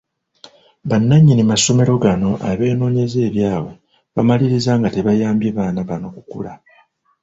Bannannyini masomero gano abeenooyeza ebyabwe bamaliriza nga tebayambye baana bano kukula.